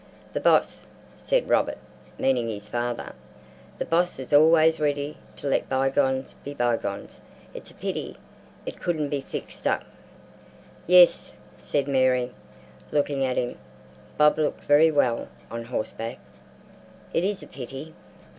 "The boss," said Robert, meaning his father, "the boss is always ready to let bygones be bygones. It's a pity it couldn't be fixed up." "Yes," said Mary, looking at him (Bob looked very well on horseback), "it is a pity."